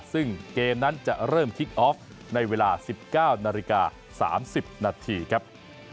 ซึ่งเกมนั้นจะเริ่มคลิกออฟในเวลา๑๙นาฬิกา๓๐นาทีครับ